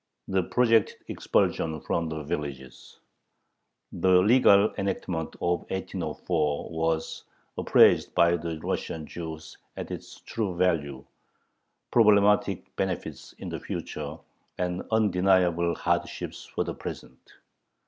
THE PROJECTED EXPULSION FROM THE VILLAGES The legal enactment of 1804 was appraised by the Russian Jews at its true value: problematic benefits in the future and undeniable hardships for the present.